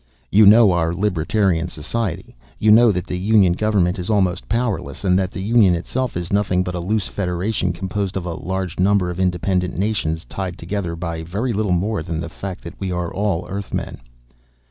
"You know our libertarian society. You know that the Union government is almost powerless, and that the Union itself is nothing but a loose federation composed of a large number of independent nations tied together by very little more than the fact that we are all Earthmen.